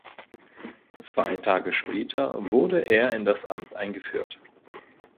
Zwei Tage später wurde er in das Amt eingeführt.